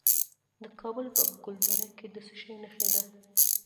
د کابل په ګلدره کې د څه شي نښې دي؟